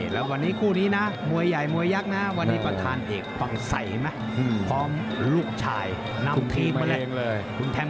แล้ววันนี้คู่นี้นะมวยใหญ่มวยยักษ์นะวันนี้ประธานเอกฟังใส่ไหมพร้อมลูกชายนำทีมมาเลย